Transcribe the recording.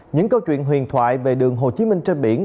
những câu chuyện huyền thoại về đường hồ chí minh trên biển